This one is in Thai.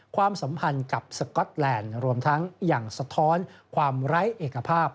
ความสัมพันธ์กับสก๊อตแลนด์รวมทั้งอย่างสะท้อนความไร้เอกภาพ